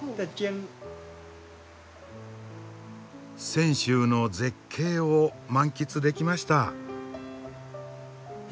泉州の絶景を満喫できました。